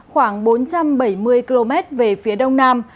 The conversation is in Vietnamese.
khoảng bốn trăm bảy mươi km về phía đông nam